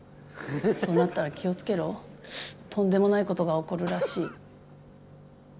そうなったら気をつけろとんでもない事が起こるらしい」。